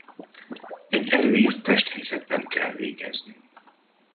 Egy előírt testhelyzetben kell végezni.